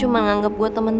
gak ada bantuan